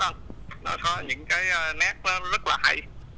những nét rất là hãy